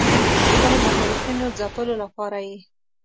د خپلو مخالفینو ځپلو لپاره یې.